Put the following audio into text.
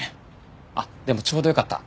あっでもちょうどよかった。